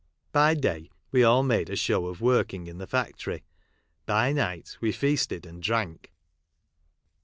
By day we all made a show of working in the factory. By night we feasted and drank.